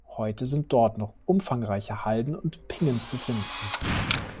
Heute sind dort noch umfangreiche Halden und Pingen zu finden.